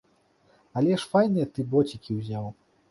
Але ж файныя ты боцікі ўзяў!